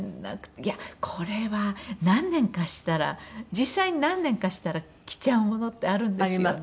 いやこれは何年かしたら実際に何年かしたら着ちゃうものってあるんですよね。